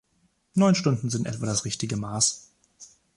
Neun Stunden sind etwa das richtige Maß.